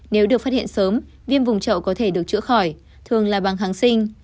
nếu được phát hiện sớm viêm vùng trậu có thể được chữa khỏi thường là bằng kháng sinh